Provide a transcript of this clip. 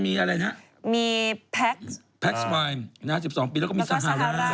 มีอะไรนะมีแพคต์แพคต์สไฟม์๑๒ปีแล้วก็มีซาฮาร่าแล้วก็ซาฮาร่า